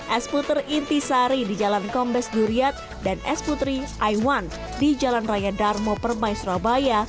es puter inti sari di jalan kombes duriat dan es putri iwan di jalan raya darmo permai surabaya